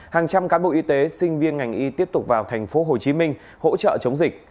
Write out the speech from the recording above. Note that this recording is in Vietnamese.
hàng trăm cán bộ y tế sinh viên ngành y tiếp tục vào thành phố hồ chí minh hỗ trợ chống dịch